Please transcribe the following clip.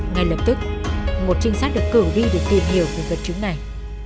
ngay lập tức một trinh sát được cử vi được tìm hiểu về vật chứng này